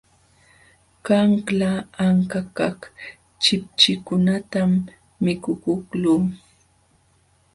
Qanla ankakaq chipchikunatam mikukuqlun.